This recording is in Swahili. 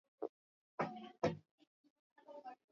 kusafiria na usizame Majani haya yanafahamika kama